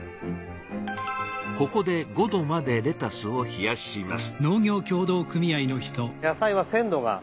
ここで５℃までレタスを冷やします。